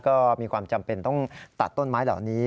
ก็มีความจำเป็นต้องตัดต้นไม้เหล่านี้